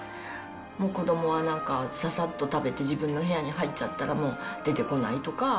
子どもはなんかささっと食べて、自分の部屋に入っちゃったら、もう出てこないとか。